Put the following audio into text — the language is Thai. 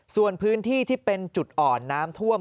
ส่วนพื้นที่ที่เป็นจุดอ่อนน้ำท่วม